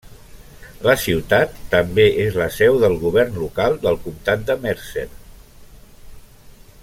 La ciutat també és la seu del govern local del Comtat de Mercer.